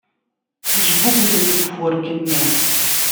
Jguglent deg ufarku-nni.